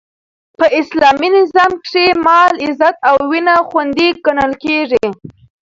په اسلامي نظام کښي مال، عزت او وینه خوندي ګڼل کیږي.